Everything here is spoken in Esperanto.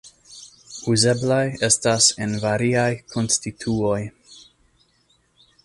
Uzeblaj estas en variaj konstituoj.